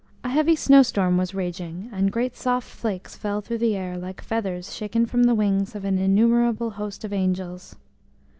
HEAVY snowstorm was raging, and great soft flakes fell through the air like feathers shaken from the wings of an innumerable host of angels.